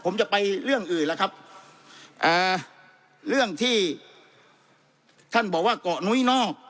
ผมจะไปเรื่องอื่นล่ะครับอ่าเรื่องที่ท่านบอกว่าเกาะนุ้ยนอก